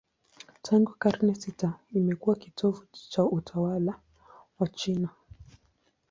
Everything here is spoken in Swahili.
Tangu karne sita imekuwa kitovu cha utawala wa China.